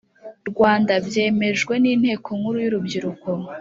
Rwanda byemejwe n Inteko Nkuru yurubyiruko